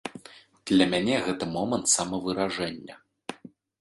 Для мяне гэта момант самавыражэння.